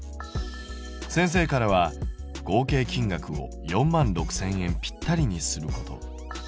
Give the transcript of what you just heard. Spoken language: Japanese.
先生からは合計金額を４万６０００円ぴったりにすること。